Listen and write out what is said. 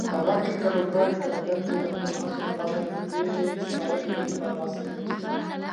افغان کرکټ لوبغاړي په ډګر کې د خپلو هڅو لپاره ډیرې ستاینې ترلاسه کوي.